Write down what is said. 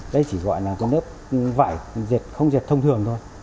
đây chỉ gọi là cái lớp vải dệt không dệt thông thường thôi